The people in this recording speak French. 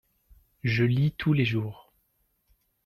je lis tous les jours.